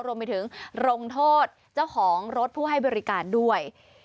รวมไปถึงลงโทษเจ้าของรถผู้ให้บริการด้วย